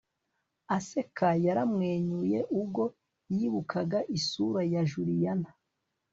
aseka. yaramwenyuye ubwo yibukaga isura ya juliana